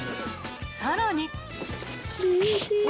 ［さらに］